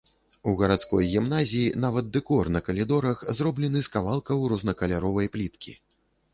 У гарадской гімназіі нават дэкор на калідорах зроблены з кавалкаў рознакаляровай пліткі.